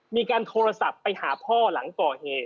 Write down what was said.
มีการโทรศัพท์ไปหาพ่อหลังก่อเหตุ